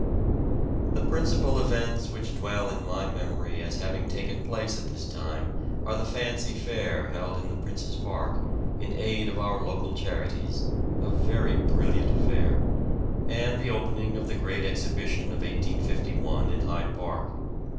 The principal events which dwell in my memory as having taken place at this time are the Fancy Fair held in the Prince's Park, in aid of our local charities, a very brilliant affair; and the opening of the great exhibition of 1851 in Hyde Park.